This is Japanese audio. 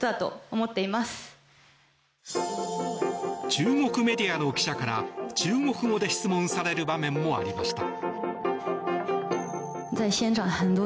中国メディアの記者から中国語で質問される場面もありました。